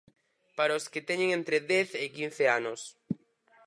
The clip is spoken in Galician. Para os que teñen entre dez e quince anos.